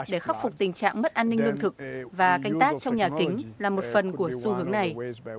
để khắc phục tình trạng mất an ninh lương thực và canh tác trong nhà kính là một phần của xu hướng này